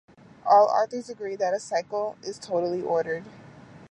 All authors agree that a cycle is totally ordered.